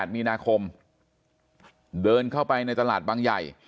มีนาคมเดินเข้าไปในตลาดบางใหญ่